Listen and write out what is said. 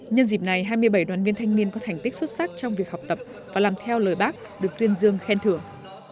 nhân dịp này hai mươi bảy đoàn viên thanh niên có thành tích xuất sắc trong việc học tập và làm theo lời bác được tuyên dương khen thưởng